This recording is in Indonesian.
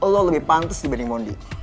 lo lebih pantas dibanding mondi